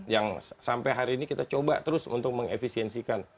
yang sampai hari ini kita coba terus untuk mengefisiensikan